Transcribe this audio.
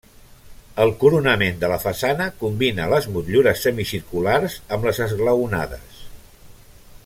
El coronament de la façana combina les motllures semicirculars amb les esglaonades.